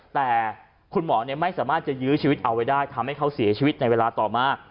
แต่คุณหมอไม่สามารถจะยื้อชีวิตเอาไว้ได้ทำให้เขาเสียชีวิตในเวลาต่อมา